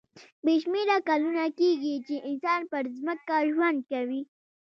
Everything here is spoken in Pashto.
بې شمېره کلونه کېږي چې انسان پر ځمکه ژوند کوي.